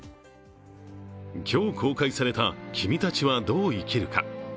今日公開された「君たちはどう生きるか」。